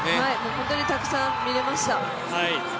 本当にたくさん見れました。